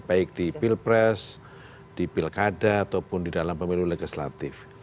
baik di pilpres di pilkada ataupun di dalam pemilu legislatif